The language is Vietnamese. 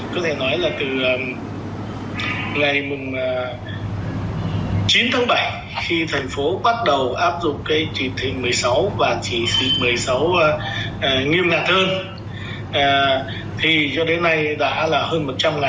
có thể nói là từ ngày chín tháng bảy khi thành phố bắt đầu áp dụng cái chỉ thị một mươi sáu và chỉ thị một mươi sáu nghiêm ngặt hơn